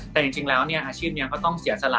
แต่จริงแล้วอาชีพนี้ก็ต้องเสียสละ